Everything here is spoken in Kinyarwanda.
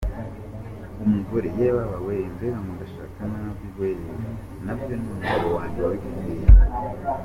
Umugore: Yebaba weeee!!! Mbega ngo ndashaka nabi wee! nabyo ni umugabo wanjye wabikubwiye??.